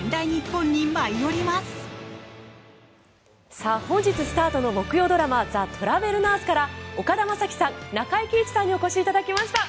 本日スタートの木曜ドラマ「ザ・トラベルナース」から岡田将生さん、中井貴一さんにお越しいただきました。